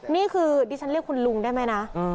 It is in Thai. นี่คือดิฉันเรียกคุณลุงได้ไหมนะ